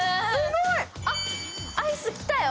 あっ、アイスきたよ。